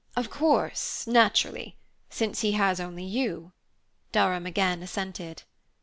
"Of course naturally since he has only you," Durham again assented.